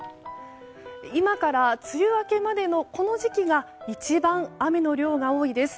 今から梅雨明けまでのこの時期が一番雨の量が多いです。